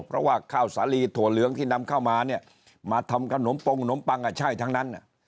เพราะว่าข้าวสาลีถั่วเหลืองที่นำเข้ามาเนี่ยมาทำขนมปงนมปังอ่ะใช่ทั้งนั้น